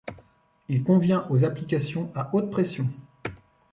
Il convient aux applications à haute pression.